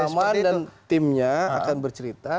kiai mamat dan timnya akan bercerita